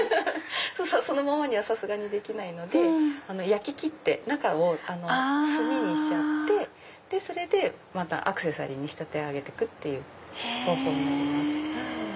そのままにはさすがにできないので焼き切って中を炭にしちゃってそれでアクセサリーに仕立て上げてく方法になります。